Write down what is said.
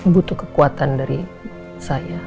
butuh kekuatan dari saya